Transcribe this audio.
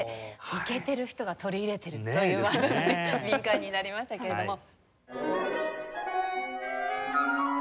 イケてる人が取り入れているというワードにね敏感になりましたけれども。